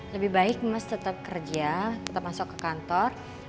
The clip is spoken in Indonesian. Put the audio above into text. lebih baik mas tetep kerja tetep masuk ke kantor